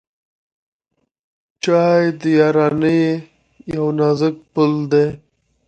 چای د یارانۍ یو نازک پُل دی.